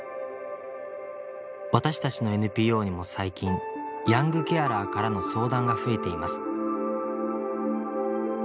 私たちのＮＰＯにも最近ヤングケアラーからの相談が増えています。